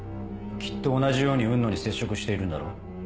きっと同じように雲野に接触しているんだろう？